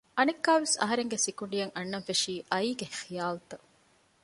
އަނެއްކާވެސް އަހަރެންގެ ސިކުނޑިއަށް އަންނަންފެށީ އައީގެ ޚިޔާލުތައް